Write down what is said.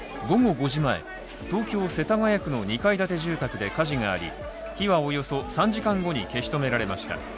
午後５時前、東京世田谷区の２階建て住宅で火事があり、火はおよそ３時間後に消し止められました。